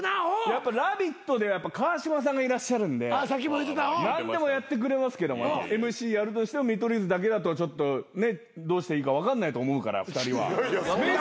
やっぱ『ラヴィット！』では川島さんがいらっしゃるんで何でもやってくれますけどＭＣやるとしても見取り図だけだとちょっとどうしていいか分かんないと思うから２人は。